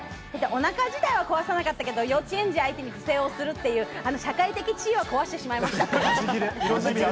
お腹は壊さなかったけど、幼稚園児相手に不正をするという社会的地位を壊してしまいました。